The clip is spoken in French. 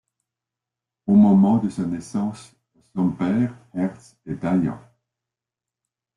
Au moment de sa naissance, son père, Herz, est dayan.